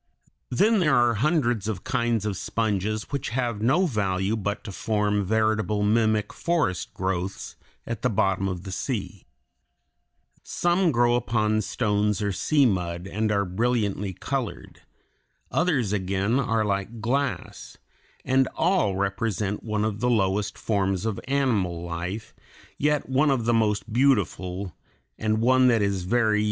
Then there are hundreds of kinds of sponges which have no value but to form veritable mimic forest growths at the bottom of the sea (Fig. 14). Some grow upon stones or sea mud and are brilliantly colored; others again are like glass, and all represent one of the lowest forms of animal life, yet one of the most beautiful, and one that is very useful.